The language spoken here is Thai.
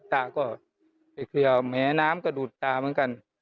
ตาก็ไปเคลียร์แหมน้ำก็ดูดตาเหมือนกัน